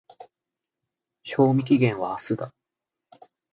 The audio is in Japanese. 賞味期限は明日だ。